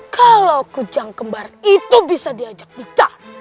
kalau kujang kembar itu bisa diajak bicara